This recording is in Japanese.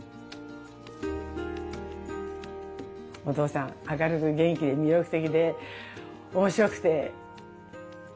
お父さん明るく元気で魅力的で面白くてハンサムで。